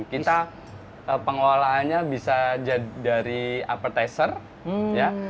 kita pengelolaannya bisa dari appetizer ya